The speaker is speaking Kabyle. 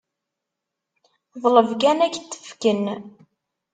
Ḍleb kan, ad k-d-fken.